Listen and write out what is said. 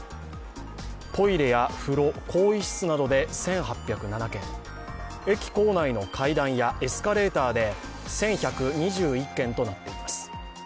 トイレや風呂、更衣室などで１８０７件、駅構内の階段やエスカレーターで１１２１件となっています。